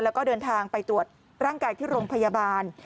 แล้วก็เดินทางไปตรวจร่างกายที่โรงพยาบาล